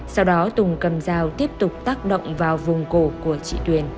sau đó tùng cầm dao tiếp tục tác động vào vùng cổ của chị tuyền